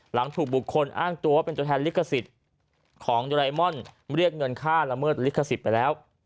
หลังถูกบุคคลอ้างตัวว่าเป็นตัวแทนลิขสิทธิ์ของโดไรมอนเรียกเงินค่าละเมิดลิขสิทธิ์ไปแล้ว